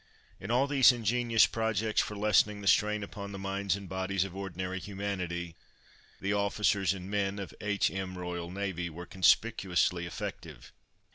In all these ingenious projects for lessening the strain upon the minds and bodies of ordinary humanity the officers and men of H.M. Royal Navy were conspicuously effective.